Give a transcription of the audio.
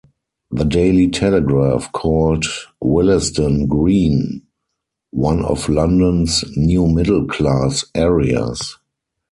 The Daily Telegraph called Willesden Green one of London's "new middle class" areas.